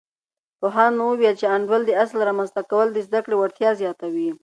پوهاند وویل، چې د انډول د اصل رامنځته کول د زده کړې وړتیا زیاتوي.